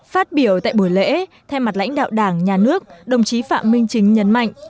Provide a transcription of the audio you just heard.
phát biểu tại buổi lễ thay mặt lãnh đạo đảng nhà nước đồng chí phạm minh chính nhấn mạnh